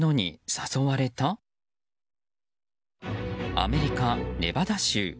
アメリカ・ネバダ州。